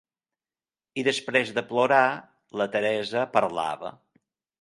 I després de plorar, la Teresa parlava.